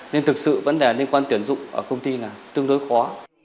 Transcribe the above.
nên thực sự vấn đề liên quan tuyển dụng ở công ty là tương đối khó